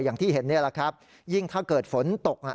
อย่างที่เห็นนี่แหละครับยิ่งถ้าเกิดฝนตกอ่ะ